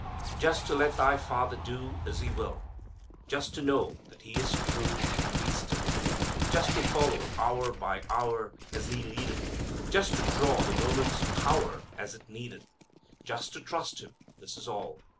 "Just to let thy Father do As He will. Just to know that He is true, And be still. Just to follow hour by hour As He leadeth. Just to draw the moment's power As it needeth. Just to trust Him. This is all.